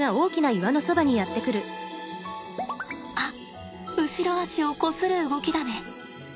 あっ後ろ足をこする動きだね。